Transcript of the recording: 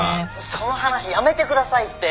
その話やめてくださいって！